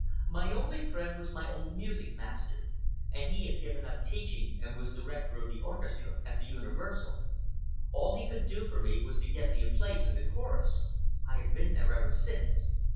My only friend was my old music master, and he had given up teaching and was director of the orchestra at the Universal. All he could do for me was to get me a place in the chorus. I have been there ever since.